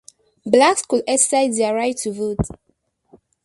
Blacks could exercise their right to vote.